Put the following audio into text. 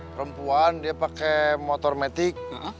perempuan dia pakai motor metik